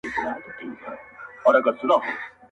ما چي هلمند ته ترانې لیکلې-